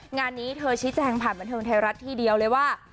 งานนี้เธอชี้แจงผ่านบันเทิงไทยรัฐทีเดียวเลยว่า